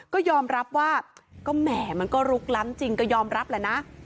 ก็ยอมรับว่าก็แหมมันก็ลุกล้ำจริงก็ยอมรับแหละนะ